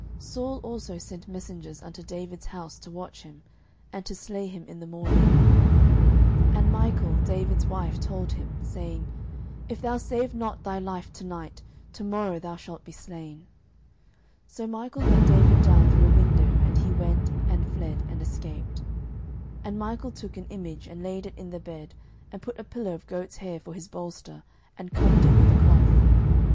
09:019:011 Saul also sent messengers unto David's house, to watch him, and to slay him in the morning: and Michal David's wife told him, saying, If thou save not thy life to night, to morrow thou shalt be slain. 09:019:012 So Michal let David down through a window: and he went, and fled, and escaped. 09:019:013 And Michal took an image, and laid it in the bed, and put a pillow of goats' hair for his bolster, and covered it with a cloth.